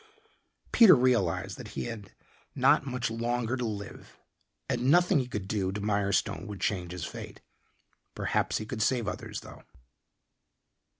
Peter realized that he had not much longer to live and nothing he could do to Mirestone would change his fate. Perhaps he could save others, though.